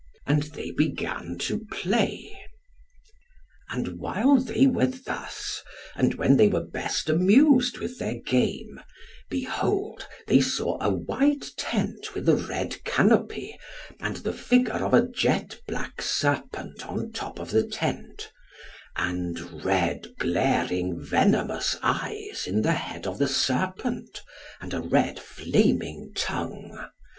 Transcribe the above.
And they began to play. And while they were thus, and when they were best amused with their game, behold they saw a white tent with a red canopy, and the figure of a jet black serpent on the top of the tent, and red glaring venomous eyes in the head of the serpent, and a red flaming tongue.